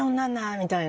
みたいな。